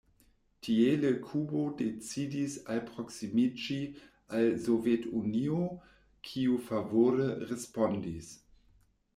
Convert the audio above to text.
Tiele Kubo decidis alproksimiĝi al Sovetunio kiu favore respondis.